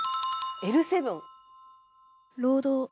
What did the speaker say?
Ｌ７。労働。